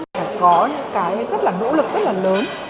phải có những cái rất là nỗ lực rất là lớn